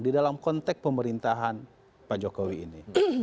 di dalam konteks pemerintahan pak jokowi ini